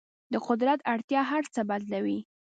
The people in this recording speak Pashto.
د قدرت اړتیا هر څه بدلوي.